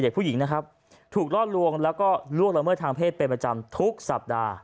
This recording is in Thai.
ผู้หญิงนะครับถูกล่อลวงแล้วก็ล่วงละเมิดทางเพศเป็นประจำทุกสัปดาห์